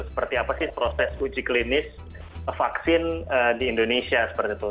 seperti apa sih proses uji klinis vaksin di indonesia seperti itu